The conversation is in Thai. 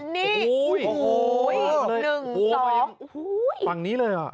นี่โอ้โฮหนึ่งสองโอ้โฮฟังนี้เลยเหรอ